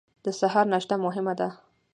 د سهار ناشته مهمه ده